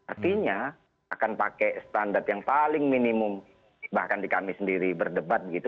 artinya akan pakai standar yang paling minimum bahkan di kami sendiri berdebat begitu